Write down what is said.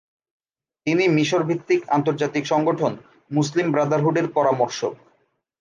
তিনি মিশর ভিত্তিক আন্তর্জাতিক সংগঠন মুসলিম ব্রাদারহুড এর পরামর্শক।